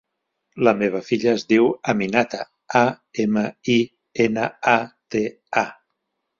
La meva filla es diu Aminata: a, ema, i, ena, a, te, a.